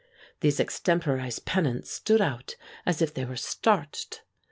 These extemporized pennants stood out as if they were starched.